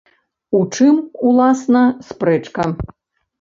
У чым, уласна, спрэчка?